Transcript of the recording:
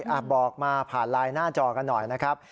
อ่ะบอกมาผ่านไลน์หน้าจอกันหน่อยนะครับ